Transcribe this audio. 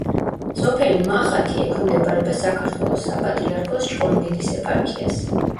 სოფელი მახათი ექვემდებარება საქართველოს საპატრიარქოს ჭყონდიდის ეპარქიას.